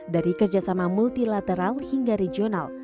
dari kerjasama multilateral hingga regional